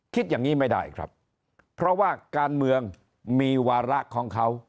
คิดอย่างนี้ไม่ได้ครับเพราะว่าการเมืองมีวาระของเขา